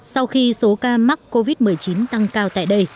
sau khi số ca mắc covid một mươi chín tăng cao tại đây